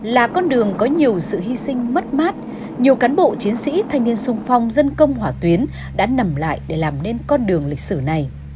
là con đường có nhiều sự hy sinh mất mát nhiều cán bộ chiến sĩ thanh niên sung phong dân công hỏa tuyến đã nằm lại để làm nên con đường lịch sử này